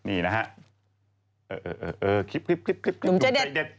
นี่นะฮะเออคลิปหนุ่มใจเด็ด